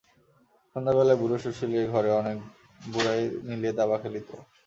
সন্ধ্যাবেলায় বুড়ো সুশীলের ঘরে অনেক বুড়ায় মিলিয়া দাবা খেলিত।